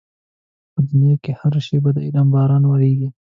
په دنيا کې هره شېبه د علم باران ورېږي.